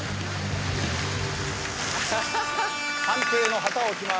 ⁉判定の旗を置きます。